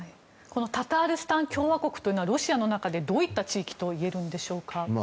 タタールスタン共和国というのは、ロシアの中でどういった地域といえるんでしょうか。